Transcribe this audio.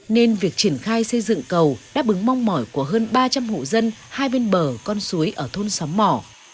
nên việc triển khai xây dựng cầu đáp ứng mong mỏi của hơn ba trăm linh hộ dân hai bên bờ con suối ở thôn xóm mỏ